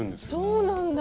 そうなんだ。